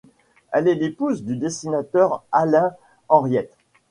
Elle est l'épouse du dessinateur Alain Henriet.